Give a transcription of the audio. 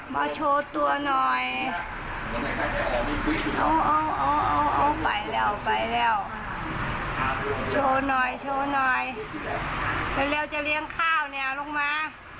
เร็วจะเลี้ยงข้าวเนี่ยลงมา